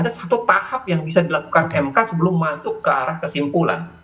ada satu tahap yang bisa dilakukan mk sebelum masuk ke arah kesimpulan